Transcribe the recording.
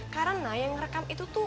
karena yang merekam itu tuh reva